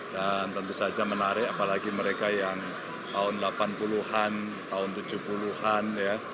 dan tentu saja menarik apalagi mereka yang tahun delapan puluh an tahun tujuh puluh an